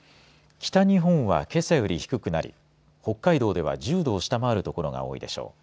北日本は、けさより低くなり北海道では１０度を下回る所が多いでしょう。